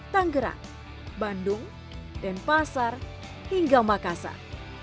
tanggerang bandung denpasar hingga makassar